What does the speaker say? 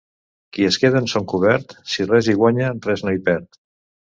Qui es queda en son cobert, si res hi guanya, res no hi perd.